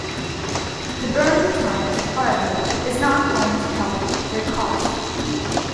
"The Burning Times", however, is not going to help their cause.